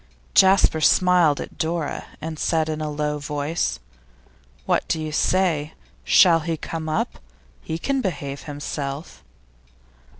Jasper smiled at Dora, and said in a low voice. 'What do you say? Shall he come up? He can behave himself.